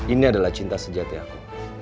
ini adalah cinta sejati aku